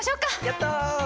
やった！